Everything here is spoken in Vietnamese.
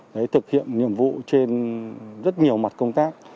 đấy thực hiện nhiệm vụ trên rất nhiều mặt công tác